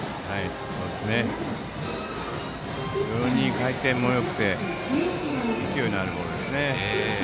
非常に回転もよくて勢いのあるボールですね。